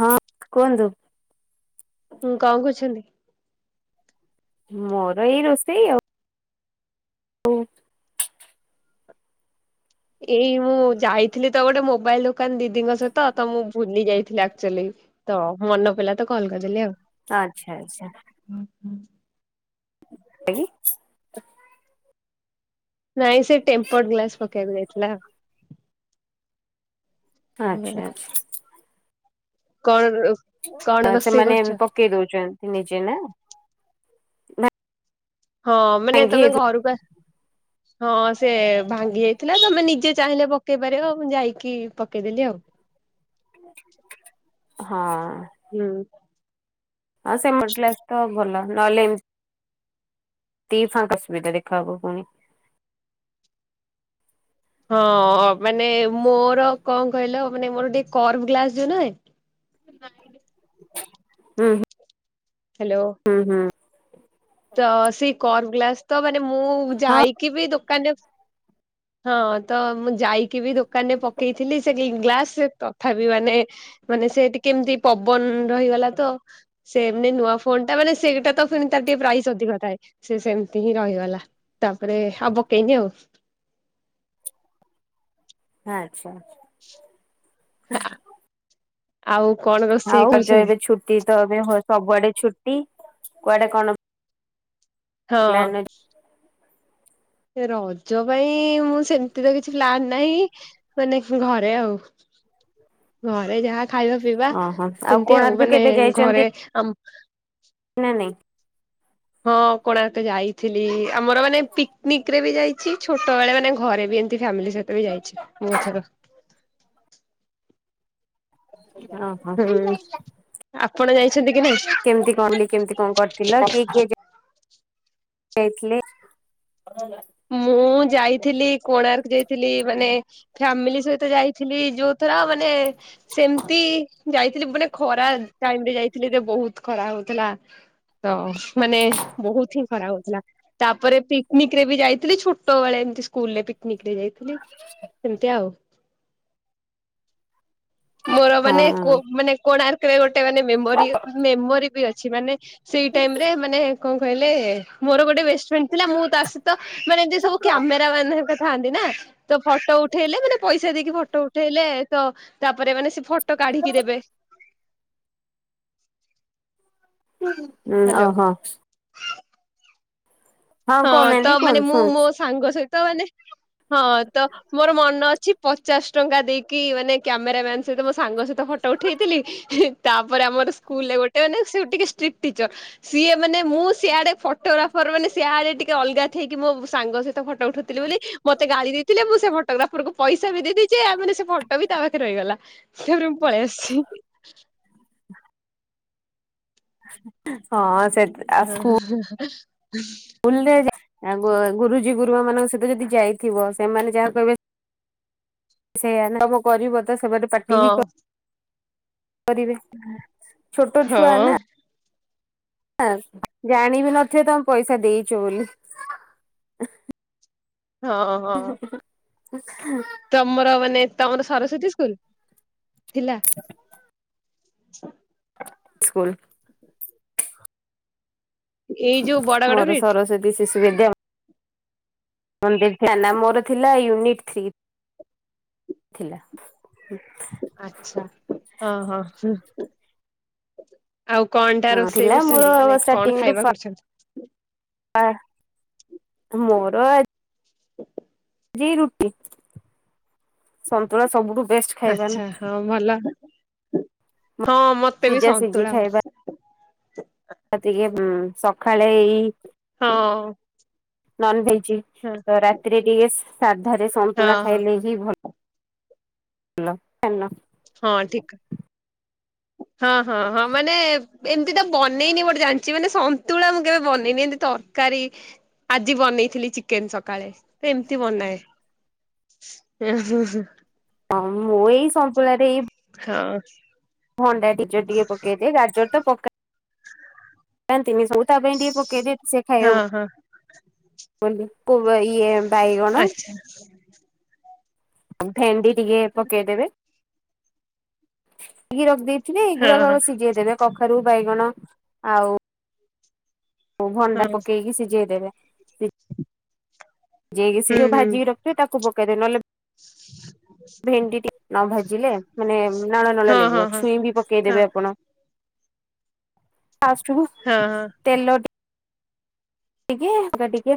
ହଁ କୁହନ୍ତୁ। ହୁଁ କଣ କଛନ୍ତି? ମୋର ଏଇ ରୋଷେଇ ଆଉ। ଓ। ଏଇ ମୁଁ ଯାଇଥିଲି ତ ଗୋଟେ ମୋବାଇଲ ଦୋକାନ ଦିଦିଙ୍କ ସହିତ ତ ମୁଁ ଭୁଲି ଯାଇଥିଲି ଆକ୍ଚୁଆଲି ତ ମନେ ପଡିଲା ତ କଲ କରିଦେଲି ଆଉ। ଆଚ୍ଛା ଆଛା। ହୁଁ [inaudible] [unintelligible] ନାଇଁ ସେ ଟେମ୍ପର୍ଡ ଗ୍ଲାସ ପକେଇବାକୁ ଯାଇ ନା। ଆଚ୍ଛା ଆଛା। କଣ ର? ତ ସେମାନେ ପକେଇ ଦଉଛନ୍ତି ନିଜେ ନା ହଁ ମାନେ ଭାଙ୍ଗି ତମେ ଘରକୁ ଆ ହଁ ସେ ଭାଙ୍ଗି ଯାଇଥିଲା ତମେ ନି ଯିଏ ଚାହିଁଲେ ପକେଇ ପାରିବ ଆଉ ମୁଁ ଯାଇକି ପକେଇଦେଲି ଆଉ। ହଁ। ହୁଁ। ହଁ ସେ ମଟକ୍ଲାସ ତ ଭଲ ନହେଲେ ଏମତି ତିଫାଁଙ୍କ ଅସୁବିତ ଦେଖାହବ ପୁଣି ହଁ ମାନେ ମୋର କଣ କହିଲ ମାନେ ମୋର ଟିକେ କର୍ଭ ଗ୍ଲାସ ଯୋଉ ନୁହେଁ ହୁଁ ହ୍ୟାଲୋ ହୁଁ ହୁଁ। ତ ସେଇ କର୍ଭ ଗ୍ଲାସ ତ ମା ମୁଁ ହଁ ଯାଇକି ବି ଦୋକାନରେ ହଁ ତ ମୁଁ ଯାଇକି ବି ଦୋକାନରେ ପକେଇଥିଲି ସେ ଗ୍ଲାସ ତଥାପି ମାନେ ମାନେ ସେ ଟିକେ ଏମିତି ପବନ ରହିଗଲା ତ ସେମ୍ ନୂଆ ଫୋନ ଟା ମାନେ ସେଟା ତ ଫୁଣି ତା ଗୋଟେ ପ୍ରାଇସ୍ ଅଧିକ ଥାଏ ସେ ସେମତି ହିଁ ରହିଗଲା ତାପରେ ଆଉ ପକେଇନି ଆଉ। ଆଚ୍ଛା, [inaudible] ଆଉ, କଣ ରୋଷେଇ ଆଉ ରଜ କରିଛନ୍ତି? ଏବେ ଛୁଟି ତ ଏବେ ସବୁଆଡେ ଛୁଟ ଟି କୁଆଡେ କଣ ହଁ, ପ୍ଲାନ ଏ ରଜ ପାଇଁ ମୁଁ ସେମିତି ତ କିଛି ପ୍ଲାନ ନାହିଁ, ମାନେ ଘରେ ଆଉ। ଘରେ ଯାହା ଖାଇବା ପିଇବା, ଅଛି ଓହୋ ସେମିତି ଆଉ କୋଣାର୍କ ମାନେ କେବେ ଯାଇଛନ୍ତି ଘରେ ଆମ୍ ନା, ନାଇଁ। ହଁ କୋଣାର୍କ ଯାଇଥିଲି। ଆମର ମାନେ ପିକନିକ ରେ ବି ଯାଇଛି ଛୋଟ ବଳେ ମାନେ ଘରେ ବି ଏମତି ଫ୍ୟାମିଲି ସହିତ ବି ଯାଇଚି ଦି ଥର। ହଁ। ଆପଣ ଯାଇ କେମତି କଣ ବୁଲିକି, କେମତି କଣ କରିଥିଲ? କି କିଏ ଯ ଯାଇଥିଲେ? ମୁଁ ଯାଇଥିଲି, କୋଣାର୍କ ଯାଇଥିଲି ମାନେ ଫ୍ୟାମିଲି ସହିତ ଯାଇଥିଲି। ଯୋଉଥର ମାନେ ସେମିତି ଯାଇଥିଲି ମାନେ ଖରା ଟାଇମ ରେ ଯାଇଥିଲି ଯେ ବହୁତ ଖରା ହଉଥିଲା। ତ ମାନେ ବହୁତ ହିଁ ଖରା ହଉଥିଲା। ତାପରେ ପିକନିକ ରେ ବି ଯାଇ ଲି ଛୋଟବେଳେ ଏମିତି ସ୍କୁଲରେ ପିକନିକ। ଯାଇଥିଲି। ସେମିତି ଆଉ। ମୋର ହଁ ମାନେ, କୋ ହଁ ମାନେ କୋଣାର୍କ ର୍କରେ ଗୋଟେ ରେ ମାନେ ମେମୋରି ମେମୋରି ବି ଅଛି ମାନେ ସେଇ ଟାଇମରେ ମାନେ କଣ କହିଲେ, ମୋର ଗୋଟେ ବେଷ୍ଟ ଫ୍ରେଣ୍ଡ ଥିଲା ମୁଁ ତା ସହିତ ମାନେ ଏମିତି ସବୁ କ୍ୟାମେରା ମାନେଙ୍କ ଥାନ୍ତି ନା ତ ଫଟ ଉଠେଇଲେ ମାନେ ପଇସା ଦେଇକି ଫଟ ଉଠେଇଲେ, ତ ତାପରେ ମାନେ ସେ ଫଟ ଟ କାଢିକି ଦେବେ। [inaudible] ହୁଁ, ହ୍ୟାଲୋ ଓହୋ। ହଁ, କହୁନାହାନ୍ତି ତ କୁହନ୍ତୁ ମାନେ ମୁଁ ମୋ ଶୁଣୁଛି। ସାଙ୍ଗ ସହିତ ତ ମାନେ, ହଁ ତ ମୋର ମନ ଅଛି, ପଚାଶ ଟଙ୍କା ଦେଇକି ମାନେ କ୍ୟାମେରା ମ୍ୟାନ ସହିତ ମୋ ସାଙ୍ଗ ସହିତ ଫଟ ଉଠେଇଥିଲି, ତାପରେ ଆମର ସ୍କୁଲରେ ଗୋଟେ ମାନେ ଟିକେ ସ୍ଟ୍ରିକ୍ଟ ଟିଚର ସିଏ ମାନେ ମୁଁ ସିଆଡେ ଫଟୋଗ୍ରାଫର ମାନେ ସେୟାରେ ଟିକେ ଅଲଗା ଥେଇକି ମୋ ସାଙ୍ଗ ସହିତ ତ ଫଟୋ ଉଠୋଉଥିଲି ବୋଲି ମତେ ଗାଳି ଦେଇଥିଲେ। ଏତେ ଫଟୋଗ୍ରାଫରଙ୍କୁ ପଇସ ବି ଦେଇ ଦେଇଚି, ମାନେ ସେ ଫଟୋ ବି ତା ପାଖରେ ରହିଗଲା। [unintelligible] ପଳେଇ ଆସିଚି। ହଁ। ସେ ଆ [unintelligible] ସ୍କୁଲରେ ଏଁ ଗୁ ଗୁରୁଜୀ ଗୁରୁମା ମାନଙ୍କ ସହିତ ଯଦି ଯାଇଥିବ ସେମାନେ ଯାହା କହିବେ ସେୟା ନା କରିବନା? ତ ସେ ବାଟ ପାଟି ହଁ ହିଁ କର ପାରିବେ। ଛୋଟ ଛୁଆଁ ହଁ ନା। ନା ଜାଣିବି ନଥିବେ ତମେ ପଇସା ଦେଇଛ ବୋଲି। ହଁ ହଁ‌ ତମର‌ ମାନେ ତମର ସରସ୍ଵତୀ ସ୍କୁଲ? ଥିଲା। [unintelligible] ସ୍କୁଲ ଏଇ ଯୋଉ ବଡ ଗଡ ମୋର ବ୍ରିଟ ସରସ୍ଵତୀ ଶିଶୁ ବିଦ୍ୟା ମନ୍ଦିର ନାନା ମୋର ଥିଲା ୟୁନିଟ ଥ୍ରୀ ଥିଲା। ଆଚ୍ଛା ହଁ ହଁ [inaudible] ଆଉ କଣ ଟା ହଁ ଥିଲା ରୋଷେଇ ମୋର କରୁଛନ୍ତି ମାନେ କଣ ଖାଇବା କରୁଛନ୍ତି। ଆ ମୋର ଆ ଜି ରୁଟି ସନ୍ତୁଳା ସବୁ ଠୁ ଆଚ୍ଛା ହଁ ଭଲ। ହଁ ମତେ ବି ସିଝା ସନ୍ତୁଳା ଭ [inaudible] ତିକେ ଉଁ ସକାଳେ ଏଇ ହଁ ନନ ଭେ ଚି ହଁ ରାତିରେ ଟିକେ ସାଧାରେ ସନ୍ତୁଳା ହଁ ହଁ ଖାଇଲେ ହିଁ ଭଲ [unintelligible] ହଁ ଠିକ ହଁ ହଁ ହଁ ମାନେ ଏମତି ତ ବନେଇନି ଗୋଟେ ଜାଣିଛି ମାନେ ସନ୍ତୁଳା ମୁଁ କେବେ ବନେଇନି ଏମତି ତରକାରୀ ଆଜି ବନେଇଥିଲି ଚିକେନ ସକାଳେ ତ ଏମତି ବନାଏ ଉଁ ହୁଁ ହୁଁ ହଁ ମୁଁ ଏଇ ସନ୍ତୁଳା ରେ ଏ ହଁ ଭଣ୍ଡା ଟିଜ ଟିକେ ପକେଇ ଦିଏ ଗାଜର ତ ପକା ନା ତା ପାଇଁ ଟିକେ ପକେଇ ଦିଏ। ହଁ ହଁ ବୋଲି କୁବ ଇଏ ବାଇଗଣ ଆଚ୍ଛା ଭେଣ୍ଡି, ଟିକେ ପକେଇଦେବେ ଟିକେ ରଖିଦେଇ ରଖିଦେଇ ହଁ ହଁ ଗୁଡକକୁ ସିଝେଇ ଦେବେ କଖାରୁ ବାଇଗଣ ଆଉ ଓ ଭଣ୍ଡା ହଁ ପକେଇକି ସିଝେଇଦେବେ। ସେ ଯେ କି ହୁଁ [inaudible] ହୁଁ ଭାଜିିକି ରଖିବେ ତାକୁ ପକା କରେ ନଲେ [inaudible] [unintelligible] ଭେଣ୍ଡିଟି ନ ଭାଜିଲେ ମାନେ ନାଳ ନଳ ହଁ ହଁ ଲାଗିବ ହଁ ଛୁଇଁ ବି ହଁ ପକେଇଦେବେ ଆପଣ । ଫାଷ୍ଟ ସବୁ ହଁ ହଁ ତେଲ ଟିକେ [inaudible]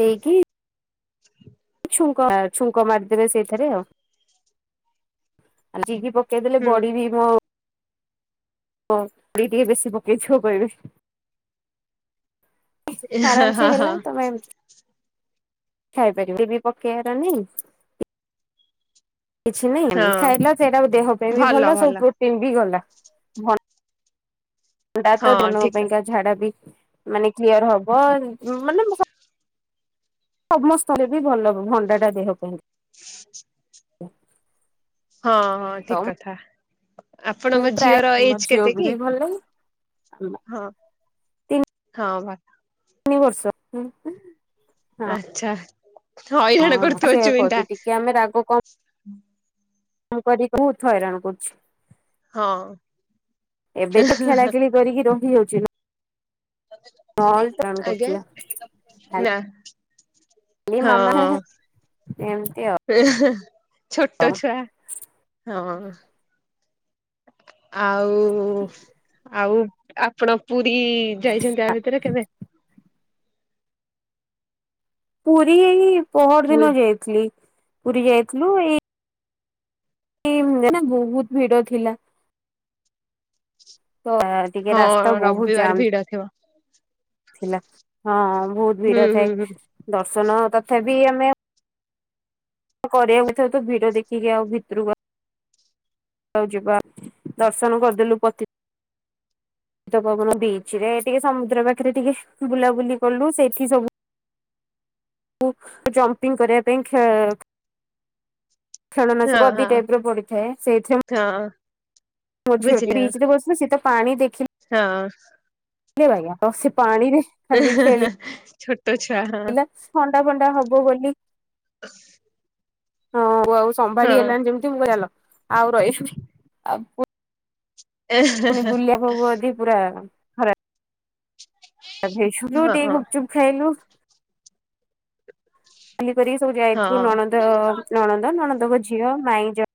ଦେଇକି ଛୁଙ୍କ, ଛୁଙ୍କ ମାରିଦେବେ ସେଇଥିରେ ଆଉ, କେତେବେଲେ ହୁଁ ବଢ଼ି ବି ମୁ ହ [inaudible] ଟିକେ ବେଶୀ ପକେଇଦେବ କହିବେ ଏ ଆରାମ ହଁ ସେ ହଁ ହା ହା ହେଲା ତମେ ଖାଇପାରିବ ଏବେ ପକେଇବାର ନି କିଛି ନହିଁ ହଁ ଖାଇଲା ସେଇଟା ଦେହ ପାଇଁ ବି ଭଲ ସବୁ ପ୍ରୋଟିନ ବି ଗଲା। ଭଲ ହେଟା ତ ହଁ ଭଲ ଠିକ ହେବାପାଇଁ ଝାଡ଼ା ବି ମାନେ କ୍ଲିୟର ହବ ମାନେ ମୁ ସ ସମସ୍ତରେ ବି ଭଲ ଭଣ୍ଡା ଟା ଦେହ ପାଇଁ। [inaudible] [inaudible] ହଁ ହଁ ତ ଠିକ କଥା, ମୁଁ ଆପଣଙ୍କ ପ୍ରାୟ ଝିଅର ମୋ ଏଜ କେତେ ଝିଅକୁ କି? ବି ଭଲ ଲାଗେ ହଁ ହଁ ଭଲ ତିନି ବର୍ଷ। ଆଚ୍ଛା ହଇରାଣ ହଁ କରୁଥିବ ସେଇଆ ଚୁଇଁ ଟା କହୁଛି ଟିକେ ହୁଁ ମୁ କରି ବୋହୁତ ହଇରାଣ କରୁଛି, ହଁ ଏବେ ତ ଖେଳାଖେଳି କରିକି ରହିି ଯାଉଛି ଚ [inaudible] ଆ୍ଞା କରୁଥିଲା। ନା ଖାଲି ମାମା ହଁ ଏମିତି ଛୋଟ ଆଉ ଛୁଆ ହଁ। ଆଉ ଆଉ ଆପଣ ପୁ ରୀ ଯାଇଛନ୍ତି ଆ ଭିତରେ କେବେ? ପୁରୀ ଏଇ ପହର ଦିନ ଯାଇଥିଲି। ପୁରୀ ଯାଇଥିଲୁ ଏଇ ଇମ୍ ଦିନ ବହୁତ୍ ଭିଡ଼ ଥିଲା। ତ ଏ ଟିକେ ହଁ ରାସ୍ତା ବହୁତ ରବିବାର ଜାମ। [inaudible] ଥିଲା ହଁ ବହୁତ ହୁଁ ଭିଡ ହୁଁ ଥାଏ ହୁଁ ଦ ଶୁନ ତଥାପି ଆମେ କରିବାକୁ ଥିବ ତୁ ଭିଡ ଦେଖିକି ଆଉ ଭିତରକୁ ଆଉ ଜିବା ଦର୍ଶନ କରିଦେଲୁ ପତି ତିତ ପାବନ, ବିଚ ରେ ଟିକେ ସମୁଦ୍ର ପାଖରେ ଟିକେ ବୁଲାବୁଲି କଲୁ ସେଇଠି ସବୁ ଙ୍କୁ ଜମ୍ପିଂ କରିବା ପାଇଁ ଖେ ଖେଳନା ହଁ ଶବୁ ଅଧି ହଁ ଟାଇପ୍ ର ପଡିଥାଏ ସେଇଥିରେ [inaudible] ବୁଝିଗଲି ବୁଝିଲି ହଁ ବ୍ରିଜ୍ ରେ ବସିଲେ ସେତ ପାଣି ଦେଖି [inaudible] ରେ ବାୟା ଲସି ପାଣିରେ ଖାଲି ଖେଳି ଛୋଟ ଛୁଆ ଥଣ୍ଡା ଫଣ୍ଡା ହବ ବୋଲି ହଁ ସମ୍ଭାଳି ହେଲାଣି ଯେମିତି ମୁଁ କଇଲି ଚାଲ। ଆଉ ରଇଛି ଆ ପୁ ପୁଣି ଗୁଲିଆକୁ ଗଦି ପୁରା ହରା ଗାଧେଇ ଛୁଲୁ ହଁ ଟିକେ ହଁ ଗୁପଚୁପ ଖାଇଲୁ। ହରିକା ସବୁ ହଁ ଯାଇଥିଲୁ ନଣନ୍ଦ ନଣନ୍ଦ ନଣ ତମ ଝିଅ ମାଇଁ ଯ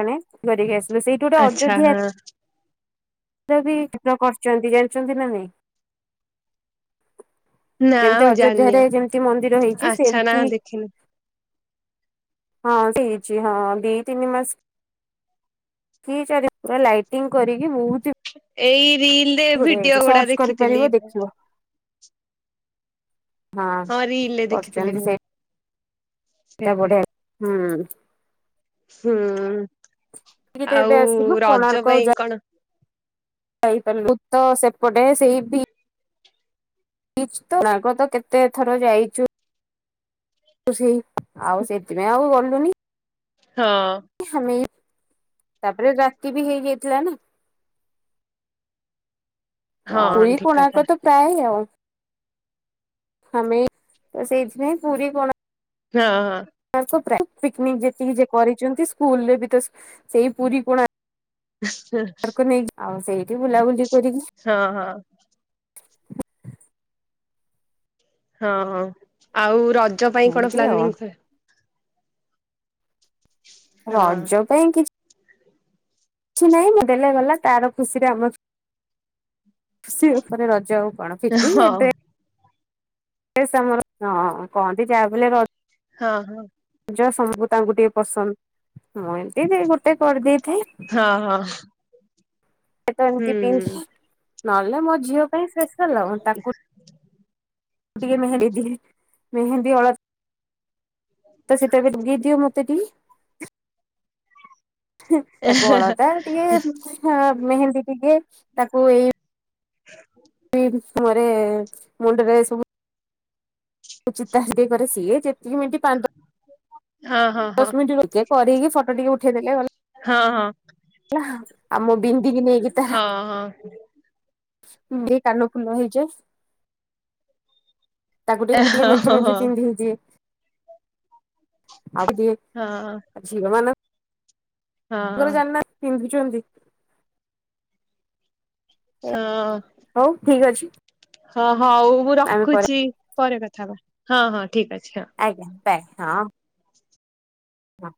ମାନେ [unintelligible] ଆସ ସେଇଟି ଗୋଟେ ଆଚ୍ଛା ଅଯୋଧ୍ୟା ହଁ ବି କରଚନ୍ତି ଜାଣିଚନ୍ତି ନା ନାଇଁ। ନା ଯେମତି ମୁଁ ଜାଣିନି ଅଯୋଧ୍ୟାରେ ଯେମତି ମନ୍ଦିର ହେଇଚି ଆଚ୍ଛା ନା ସେମତି। ଦେଖିନି। ହଁ ସେ ହେଇଚି ହଁ ଦି ତିନି ମାସ କି ଚାରି ଲାଇଟିଙ୍ଗ କରିକି ବୋହୁତ ଏଇ ରିଲରେ ଭିଡିଓ ଗୁଡା ସର୍ଚ୍ଚ କରିପାରିବ ଦେଖିଥିଲି। ଦେଖିବ ହଁ ରିଲରେ ଦେଖିଥିଲି କରିଛନ୍ତି ମୁଁ। ସେଇଟା ବଢିଆ ହୁଁ। ହୁଁ ଟିକେ ଏବେ ଆଉ ଆସିଲୁ ରଜ କୋଣାର୍କ ଆଉ ପାଇଁ କଣ ଯା ପାରିଲୁ ଭୁତ ସେପଟେ ସେଇଭି ତ ତାଙ୍କ ତ କେତେ ଥର ଯାଇଛୁ ତ ସେଇ ଆଉ ସେଥିପାଇଁ ଆଉ ଗଲୁ କୁନି ହଁ। ତାପରେ ରାତି ବି ହେଇଯାଇଥିଲା ନା। ହଁ କୁରୀ ଠିକ କଥା କୋଣାର୍କ ତ ପ୍ରାୟ ଆଉ। ଆମେ ତ ସେଇଥି ପାଇଁ ପୁରୀ କୋଣା ହଁ ହଁ। ପିକନିକ୍ ଯେତିକି ଯେ କରିଛନ୍ତି ସ୍କୁଲରେ ବି ତ ସେଇ ପୁରୀ କୋଣା [inaudible] ଆଉ ସେଇଠି ବୁଲାବୁଲି କରିକି ହଁ ହଁ। ହଁ ହଁ ଆଉ ର ରଜ ପାଇଁ କଣ ଏମିତି ଆଉ ପ୍ଲାନିଂ କୁହେ। ହଁ ରଜ ପାଇଁ କିଛି କିଛି ନାହିଁ ମ ଦେଲେ ଗଲା ତାର ଖୁସିରେ ଆମ ଖୁସି ର ଉପରେ ରଜ ଆଉ। କଣ ଫିର୍ବି ହଁ। ଏବେ ସେ ମୋର ହଁ କହନ୍ତି। ଯାହା ବି ହେଲେ ର ହଁ ହଁ। ଯାହା ସମକୁ ତାଙ୍କୁ ଟିକେ ପସନ୍ଦ। ମୁଁ ଏମତି ଗୋଟେ କରିଦେଇଥି। ହଁ ହଁ ଏ ତ ଏମିତି ହୁଁ ପି ନହେଲେ ମୋ ଝିଅ ପାଇଁ ଶେଷ ଲ ତାକୁ ଟିକେ ମେହେନ୍ଦୀ ମେହେନ୍ଦୀ ଅଳ ତ ସେତେ ବେଗି ଦିଅ ମୋତେ ଦି ହୁଁ ତାକୁ ଅଳତା ଟିକେ ଏ ମେହେନ୍ଦୀ ଟିକେ ତାକୁ ଏଇ [unintelligible] ମୁହଁ ରେ ମୁଣ୍ଡରେ ସବୁ ଚିତା ହଏ କରେ। ସିଏ ଯେତିକି ମିଣ୍ଟି ପାନ୍ଦ ହଁ ହଁ ହଁ। କରିକି ଫଟୋ ଟିକେ ଉଠେଇ ଦେଲେ ଗଲା। ହଁ ହଁ। ଆମ ବିନ୍ଦିକି ନେଇକି ତାର ହଁ ହଁ ମୁଁ କାନ ଫୁଲ ହେଇଯାଏ। ତାକୁ ଟିକେ ଟିକେ ହଁ ମେଞ୍ଚେ ହଁ ମେଞ୍ଚେ ହଁ ପିନ୍ଧେଇ ଦିଏ। ଆଉ ଟି ହଁ। ଝିଅ ମାନ ଘରେ ଜାନ [inaudible] ପିନ୍ଧି ଛନ୍ତି ହଁ। ଠିକ୍ ଅଛି। ହଁ। ହଉ ମୁଁ ଆମେ ପରେ ରଖୁଛି, ପରେ କ [unintelligible] ହଁ, ହଁ। ଠିକ ଅଛି, ହଁ। ତାଏ, ହଁ। ନା।